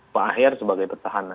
pak ayer sebagai petahana